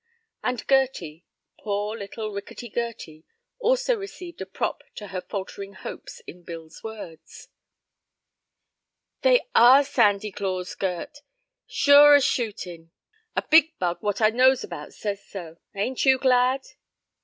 And Gerty; poor little, rickety Gerty, also received a prop to her faltering hopes in Bill's words. "They are a Sandy Claus, Gert, sure as shootin'! A big bug what I knows about says so. Ain't you glad?"